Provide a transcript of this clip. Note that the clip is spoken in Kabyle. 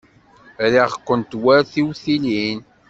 Riɣ-kent war tiwtilin.